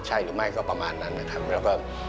ใช่หรือไม่ก็ประมาณนั้นนะครับ